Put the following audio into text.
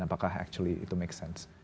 dan apakah itu sebenarnya membuat sense